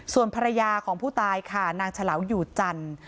ส่วนภรรยาของผู้ตายค่ะนางเฉลาวอยู่จันทร์